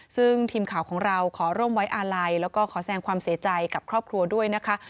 ซึ่งทีมข่าวของเราขอร่วมไว้อาลัยแล้วก็ขอแสงความเสียใจกับครอบครัวด้วยนะคะ